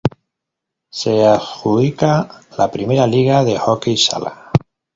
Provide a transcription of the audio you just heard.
Se adjudica la primera liga de hockey sala.